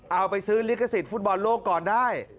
เอาไปซื้อลิขสิทธิฟุตบอลโลกก่อนได้